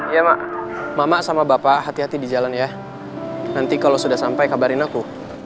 ya mak mama sama bapak hati hati di jalan ya nanti kalau sudah sampai kabarin aku